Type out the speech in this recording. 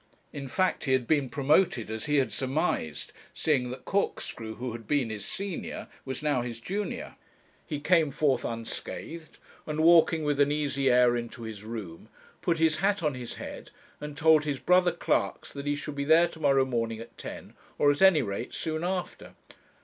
In fact, he had been promoted as he had surmised, seeing that Corkscrew who had been his senior was now his junior. He came forth unscathed, and walking with an easy air into his room, put his hat on his head and told his brother clerks that he should be there to morrow morning at ten, or at any rate soon after.